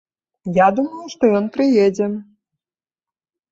Я думаю, што ён прыедзе.